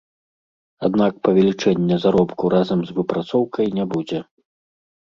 Аднак павелічэння заробку разам з выпрацоўкай не будзе.